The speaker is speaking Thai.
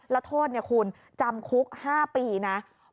แล้วโทษคุณจำคุก๕ปีนะ